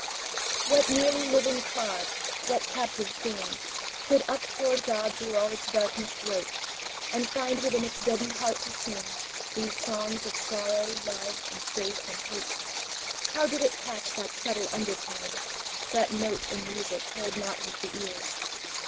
What merely living clod, what captive thing, Could up toward God through all its darkness grope, And find within its deadened heart to sing These songs of sorrow, love, and faith, and hope? How did it catch that subtle undertone, That note of music heard not with the ears?